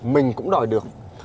mình cũng đòi được